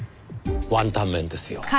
ワンタン麺ですよ。